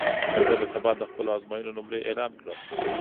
زه به سبا د خپلو ازموینو نمرې اعلان کړم.